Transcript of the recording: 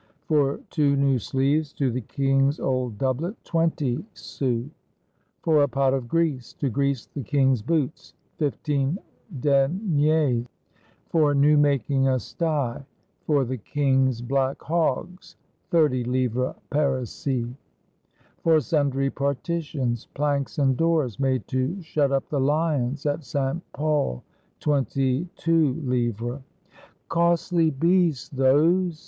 "For two new sleeves to the king's old doublet, twenty sous. "For a pot of grease to grease the king's boots, fifteen deniers. "For new making a sty for the king's black hogs, thirty livres parisis. "For sundry partitions, planks, and doors, made to shut up the lions at St. Pol, twenty two livres." "Costly beasts those!"